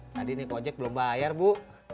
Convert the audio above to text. tadi nih kojek belum bayar bu